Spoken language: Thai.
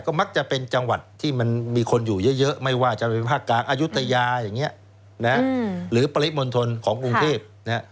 ก็มักจะเป็นจังหวัดที่มันมีคนอยู่เยอะไม่ว่าจะมีภาคกลางอายุตยาหรือปฤตมนตรของกรุงเครพย์